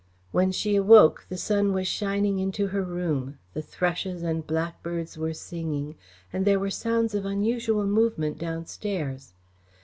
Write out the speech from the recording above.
When she awoke the sun was shining into her room, the thrushes and blackbirds were singing and there were sounds of unusual movement downstairs.